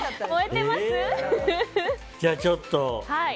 じゃあ、ちょっと。